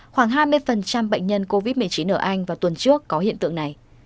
khoảng hai mươi bệnh nhân covid một mươi chín ở anh vào tuần trước có hiện tượng này